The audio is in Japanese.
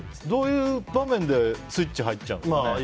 どういう場面でスイッチ入っちゃうんですかね？